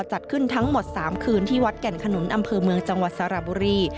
จัดขึ้นทั้งหมด๓คืนที่วัดแก่นขนุนอำเภอเมืองจังหวัดสระบุรี